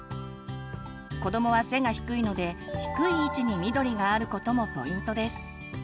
子どもは背が低いので低い位置に緑があることもポイントです。